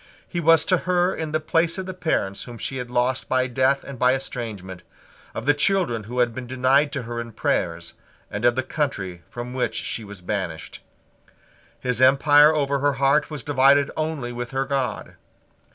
He was to her in the place of the parents whom she had lost by death and by estrangement, of the children who had been denied to her prayers, and of the country from which she was banished. His empire over her heart was divided only with her God.